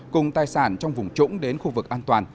cùng tài sản trong vùng trũng đến khu vực an toàn